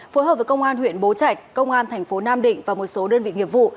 phối hợp với công an huyện bố trạch công an thành phố nam định và một số đơn vị nghiệp vụ